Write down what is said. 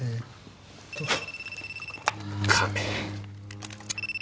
亀。